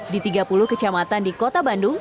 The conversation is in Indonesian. di tiga puluh kecamatan di kota bandung